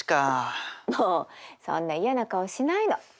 もうそんな嫌な顔しないの。